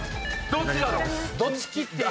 どっちだろ⁉あ！